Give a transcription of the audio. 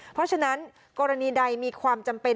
เพราะฉะนั้นกรณีใดมีความจำเป็น